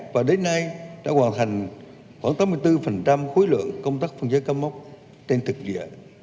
và đến nay đã hoàn thành khoảng tám mươi bốn khối lượng công tác phân giới campuchia lào trên thực diện